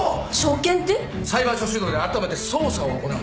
裁判所主導であらためて捜査を行うんです。